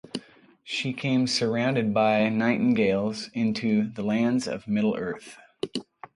She came surrounded by nightingales into the lands of Middle-earth.